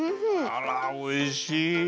あらおいしい。